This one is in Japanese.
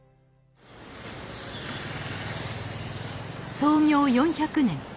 創業４００年。